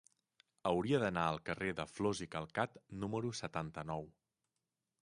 Hauria d'anar al carrer de Flos i Calcat número setanta-nou.